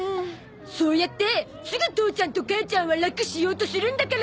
そうやってすぐ父ちゃんと母ちゃんはラクしようとするんだから！